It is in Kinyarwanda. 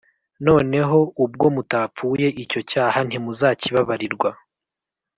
«Noneho ubwo mutapfuye, icyo cyaha ntimuzakibabarirwa.»